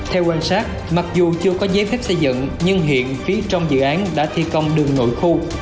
theo quan sát mặc dù chưa có giấy phép xây dựng nhưng hiện phía trong dự án đã thi công đường nội khu